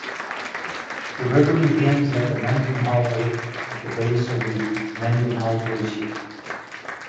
The river begins at the Mendenhall Lake, at the base of the Mendenhall Glacier.